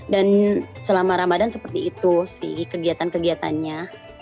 dan selama ramadhan seperti itu sih kegiatan kegiatannya